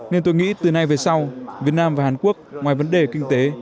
nên tôi nghĩ từ nay về sau việt nam và hàn quốc ngoài vấn đề kinh tế